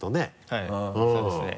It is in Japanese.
はいそうですね。